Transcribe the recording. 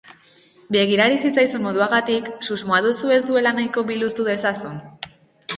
Begira ari zaizun moduagatik, susmoa duzu ez duela nahiko biluztu dezazun.